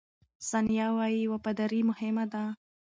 ثانیه وايي، وفاداري مهمه ده.